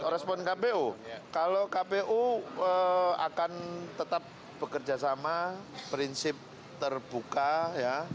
respon kpu kalau kpu akan tetap bekerja sama prinsip terbuka ya